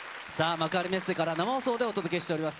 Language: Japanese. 幕張メッセから生放送でお届けしております